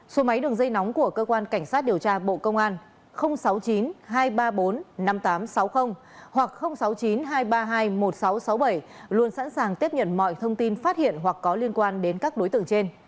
số máy đường dây nóng của cơ quan cảnh sát điều tra bộ công an sáu mươi chín hai trăm ba mươi bốn năm nghìn tám trăm sáu mươi hoặc sáu mươi chín hai trăm ba mươi hai một nghìn sáu trăm sáu mươi bảy luôn sẵn sàng tiếp nhận mọi thông tin phát hiện hoặc có liên quan đến các đối tượng trên